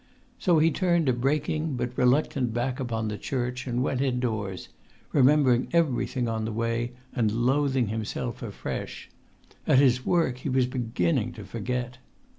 So he turned a breaking but reluctant back upon the church, and went indoors; remembering everything on the way, and loathing himself afresh: at his work he was beginning to forget!